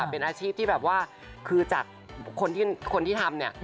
เป็นอาชีพที่แบบว่าคือจากคนที่ทำเนี่ย